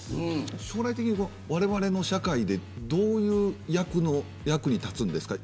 将来的に、われわれの社会でどういう役に立つんですか。